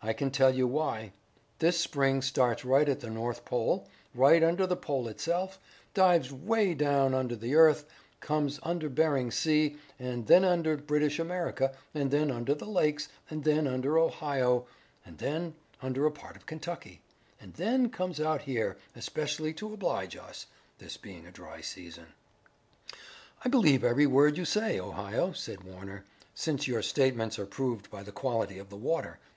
I can tell you why. This spring starts right at the North Pole, right under the pole itself, dives away down into the earth, comes under Bering Sea and then under British America, and then under the lakes, and then under Ohio, and then under a part of Kentucky, and then comes out here especially to oblige us, this being a dry season." "I believe every word you say, Ohio," said Warner, "since your statements are proved by the quality of the water.